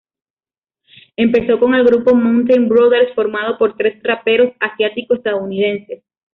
Empezó con el grupo Mountain Brothers, formado por tres raperos asiático-estadounidenses.